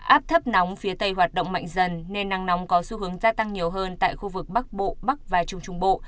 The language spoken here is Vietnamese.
áp thấp nóng phía tây hoạt động mạnh dần nên nắng nóng có xu hướng gia tăng nhiều hơn tại khu vực bắc bộ bắc và trung trung bộ